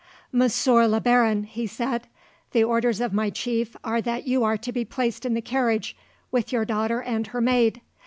"'Monsieur le Baron,' he said, 'the orders of my chief are that you are to be placed in the carriage, with your daughter and her maid.